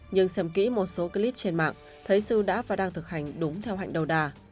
nhưng xem kỹ một số clip trên mạng thấy sư đã và đang thực hành đúng theo hạnh đầu đà